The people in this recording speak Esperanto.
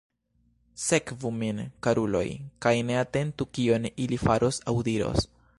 Sekvu min, karuloj, kaj ne atentu kion ili faros aŭ diros.